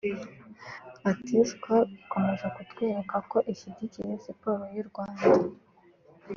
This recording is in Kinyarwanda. Ati ”Skol ikomeje kutwereka ko ishyigikiye siporo y’ u Rwanda